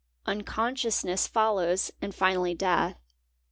Unconsciousness follows and finally death.